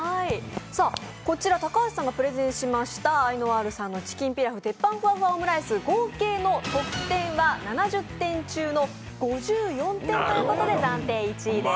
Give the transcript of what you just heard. こちら高橋さんがプレゼンしましたアイノワールさんのチキンピラフの鉄板ふわふわオムライス、合計の得点は７０点中の５４点ということで暫定１位です。